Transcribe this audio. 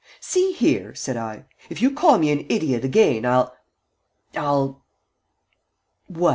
"See here," said I, "if you call me an idiot again, I'll I'll " "What?"